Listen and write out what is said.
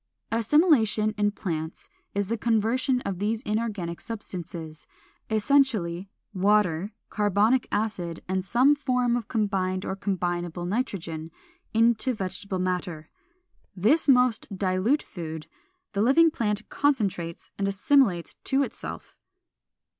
450. =Assimilation= in plants is the conversion of these inorganic substances essentially, water, carbonic acid, and some form of combined or combinable nitrogen into vegetable matter. This most dilute food the living plant concentrates and assimilates to itself.